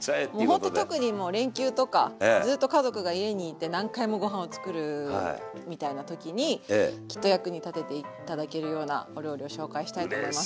もうほんと特に連休とかずっと家族が家に居て何回もご飯を作るみたいな時にきっと役に立てて頂けるようなお料理を紹介したいと思います。